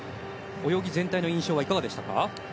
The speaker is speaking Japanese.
泳ぎ全体の印象はいかがでしたか？